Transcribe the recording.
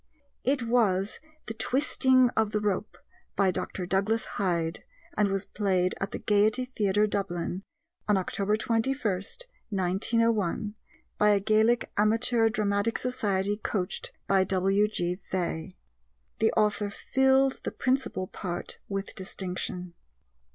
It was The Twisting of the Rope, by Dr. Douglas Hyde, and was played at the Gaiety Theatre, Dublin, on October 21, 1901, by a Gaelic Amateur Dramatic Society coached by W.G. Fay. The author filled the principal part with distinction.